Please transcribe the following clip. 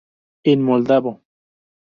En moldavo.